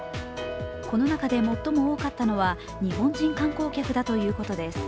この中で最も多かったのは日本人観光客だということです